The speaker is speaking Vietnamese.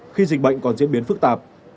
khi dịch bệnh còn diễn biến phức tạp